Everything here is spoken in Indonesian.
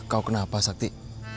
kau kenapa sakti